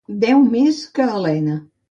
Beure més que alena.